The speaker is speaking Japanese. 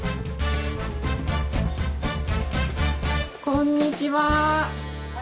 こんにちは。